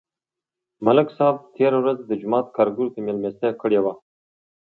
ملک صاحب تېره ورځ د جومات کارګرو ته مېلمستیا کړې وه